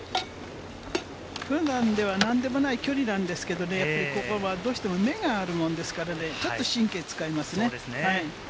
普段では何でもない距離なんですけれど、ここはどうしても目があるもので、ちょっと神経を使いますね。